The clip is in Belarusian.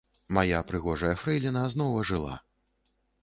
Мая прыгожая фрэйліна зноў ажыла.